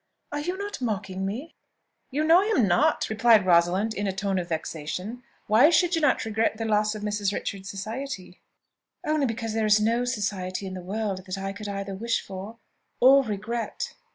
Are you not mocking me?" "You know I am not," replied Rosalind in a tone of vexation; "why should you not regret the loss of Mrs. Richards' society?" "Only because there is no society in the world that I could either wish for, or regret."